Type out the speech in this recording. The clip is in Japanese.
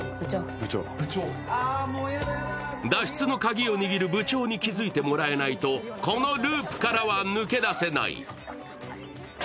脱出のカギを握る部長に気づいてもらえないとこのループからは抜け出せない。